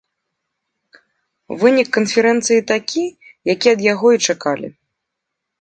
Вынік канферэнцыі такі, які ад яго і чакалі.